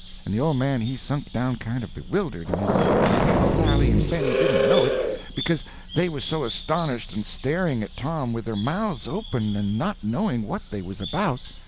And the old man he sunk down kind of bewildered in his seat and Aunt Sally and Benny didn't know it, because they was so astonished and staring at Tom with their mouths open and not knowing what they was about.